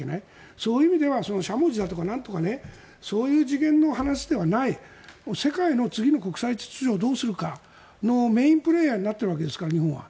そういう意味ではしゃもじだとかなんとかそういう次元の話ではない世界の次の国際秩序をどうするかのメインプレーヤーになっているわけですから日本は。